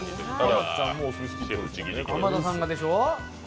浜田さんがでしょう？